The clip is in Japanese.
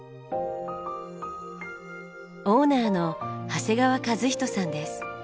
オーナーの長谷川一仁さんです。